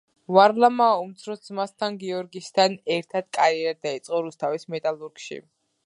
ვარლამმა უმცროს ძმასთან, გიორგისთან ერთად კარიერა დაიწყო რუსთავის „მეტალურგში“.